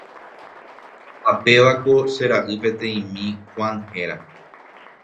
Ha pévako che ra'y peteĩmi Juan héra.